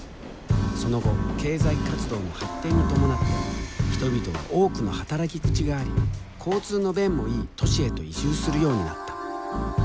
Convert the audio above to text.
その後経済活動の発展に伴って人々は多くの働き口があり交通の便もいい都市へと移住するようになった。